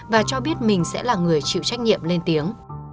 và cho biết mình sẽ là người chịu trách nhiệm lên tiếng